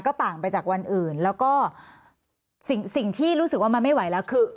ก็ต่างไปจากวันอื่นแล้วก็สิ่งที่รู้สึกว่ามันไม่ไหวแล้วคือ